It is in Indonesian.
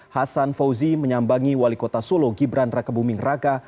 hasan fauzi menyambangi wali kota solo gibran rakebuming raka